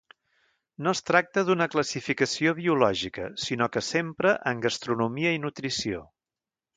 No es tracta d'una classificació biològica sinó que s'empra en gastronomia i nutrició.